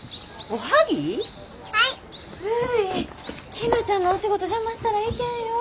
きぬちゃんのお仕事邪魔したらいけんよ。